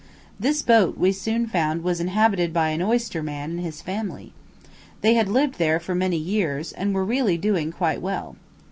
This boat we soon found was inhabited by an oyster man and his family. They had lived there for many years and were really doing quite well.